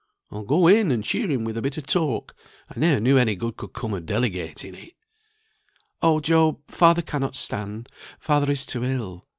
I'll go in, and cheer him with a bit of talk. I ne'er knew any good come of delegating it." "Oh, Job! father cannot stand father is too ill.